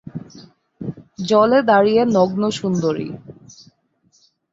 জলে দাঁড়িয়ে নগ্ন সুন্দরী।